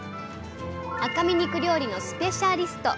赤身肉料理のスペシャリスト